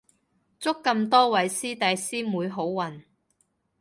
祝咁多位師弟師妹好運